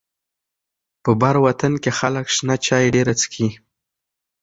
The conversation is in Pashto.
په بر وطن کې خلک شنه چای ډيره څکي.